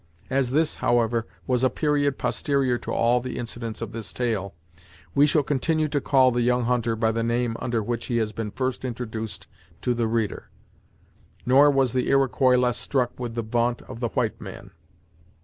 As this, however, was a period posterior to all the incidents of this tale, we shall continue to call the young hunter by the name under which he has been first introduced to the reader. Nor was the Iroquois less struck with the vaunt of the white man.